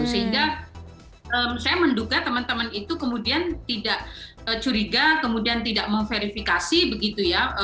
sehingga saya menduga teman teman itu kemudian tidak curiga kemudian tidak memverifikasi begitu ya